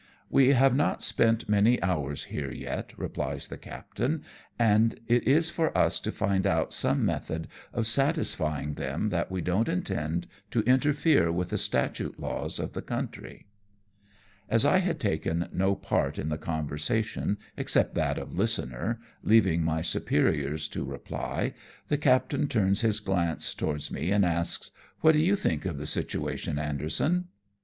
" "We have not spent many hours here yet," replies the captain, " and it is for us to find out some method of satisfying them that we don't intend to interfere with the statute laws of the country." As I had taken no part in the conversation except that of listener, leaving my superiors to reply, the captain turns his glance towards me, and asks, " What do you think of the situation, Anderson